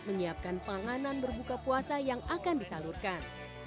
menyiapkan panganan berbuka puasa yang akan disalurkan